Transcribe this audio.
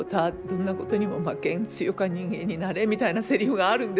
どんなことにも負けん強か人間になれ」みたいなせりふがあるんですよ。